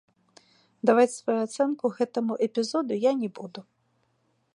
Даваць сваю ацэнку гэтаму эпізоду я не буду.